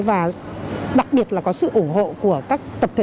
và đặc biệt là có sự ủng hộ của các tập thể